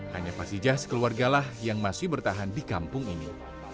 hanya fasijah sekeluargalah yang masih bertahan di kampung ini